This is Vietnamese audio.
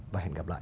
và hẹn gặp lại